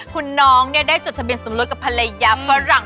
คุณน้องได้จดทะเบียนสมรสกับภรรยาฝรั่ง